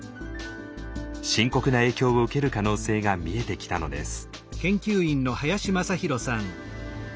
深刻な影響を受ける可能性が見えてきたのです。